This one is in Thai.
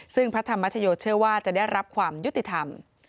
ซึ่งพระธรรมชโยเชื่อว่าจะได้รับความยุติธรรม